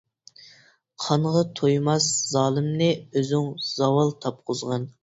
قانغا تويماس زالىمنى، ئۆزۈڭ زاۋال تاپقۇزغىن.